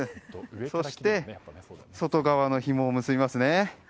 そして、外側のひもを結びますね。